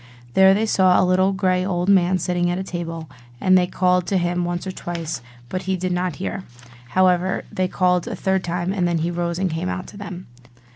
There they saw a little grey old man sitting at a table; and they called to him once or twice, but he did not hear: however, they called a third time, and then he rose and came out to them.